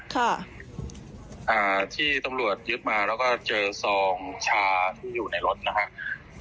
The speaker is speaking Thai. ค่ะอ่าที่ตำรวจยึดมาแล้วก็เจอซองชาที่อยู่ในรถนะฮะ